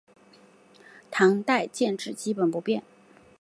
唐代建制基本不变。